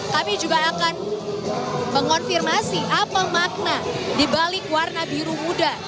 kami juga akan mengonfirmasi apa makna dibalik warna biru muda